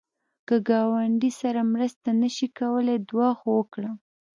که ګاونډي سره مرسته نشې کولای، دعا خو وکړه